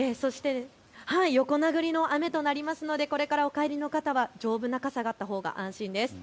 横殴りの雨となりますのでこれからお帰りの方は丈夫な傘があったほうが安心です。